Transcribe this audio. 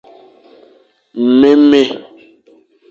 Nmémé.